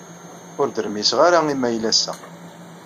Ur d-rmiseɣ ara imayl ass-a.